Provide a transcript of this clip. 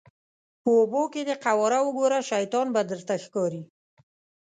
په اوبو کې دې قواره وګوره شیطان به درته ښکاري.